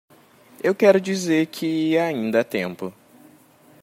Eu quero dizer que ainda há tempo.